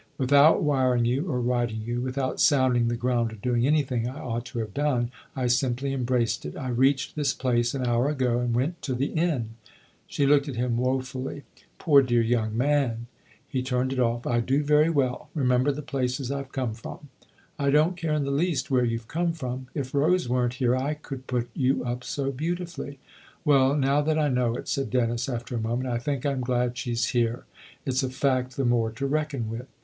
With out wiring you or writing you, without sounding the ground or doing anything I ought to have done, I simply embraced it. I reached this place an hour ago and went to the inn." She looked at him wofully. " Poor dear young man !" He turned it off. " I do very well. Remember the places I've come from." " I don't care in the least where you've come from ! If Rose weren't here I could put you up so beautifully." " Well, now that I know it," said Dennis after a moment, " I think I'm glad she's here. It's a fact the more to reckon with."